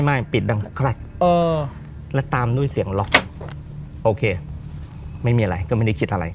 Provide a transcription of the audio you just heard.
ไม่ปิดดังคลักและตามด้วยเสียงล็อกโอเคไม่มีอะไรก็ไม่ได้คิดอะไร